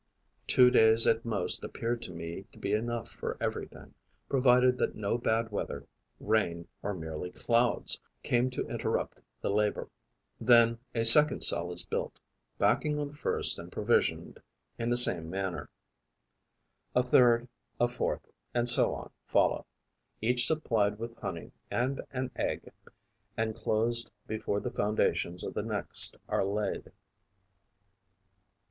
Two days at most appeared to me to be enough for everything, provided that no bad weather rain or merely clouds came to interrupt the labour. Then a second cell is built, backing on the first and provisioned in the same manner. A third, a fourth, and so on follow, each supplied with honey and an egg and closed before the foundations of the next are laid.